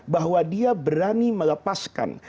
bahwa dia berani melepaskan